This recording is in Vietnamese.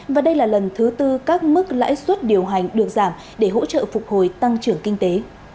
và đây là lần thứ tư các mức lãi suất điều hành được giảm để hỗ trợ phục hồi tăng trưởng kinh tế